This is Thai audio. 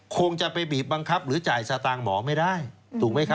คงจะไปบีบบังคับหรือจ่ายสตางค์หมอไม่ได้ถูกไหมครับ